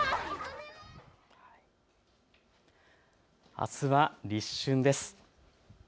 あすは立春です。